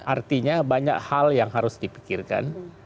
artinya banyak hal yang harus dipikirkan